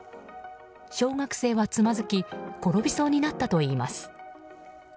小学生はつまずき転びそうになったといいます。